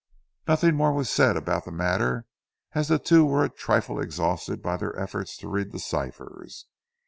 Nothing more was said about the matter, as the two were a trifle exhausted by their efforts to read the ciphers.